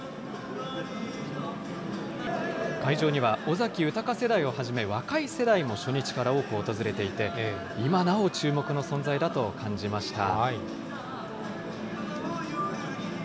会場には尾崎豊世代をはじめ、若い世代も初日から多く訪れていて、今なお注目の存在だと感じました。